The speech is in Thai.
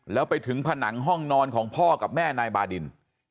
แล้วไปถึงผนังห้องนอนของพ่อกับแม่นายบาดิน